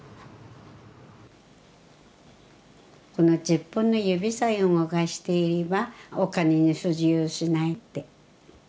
この十本の指さえ動かしていればお金に不自由しないって。